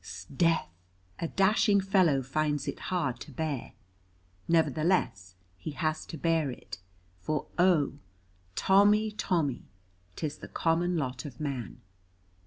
S'death, a dashing fellow finds it hard to bear. Nevertheless, he has to bear it, for oh, Tommy, Tommy, 'tis the common lot of man.